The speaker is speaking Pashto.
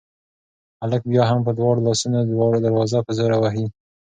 هلک بیا هم په دواړو لاسونو دروازه په زور وهي.